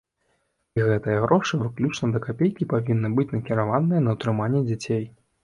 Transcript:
І гэтыя грошы выключна да капейкі павінны быць накіраваныя на ўтрыманне дзяцей.